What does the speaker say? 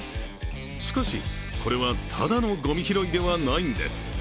しかし、これはただのごみ拾いではないんです。